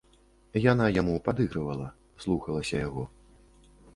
Яна яму падыгрывала, слухалася яго.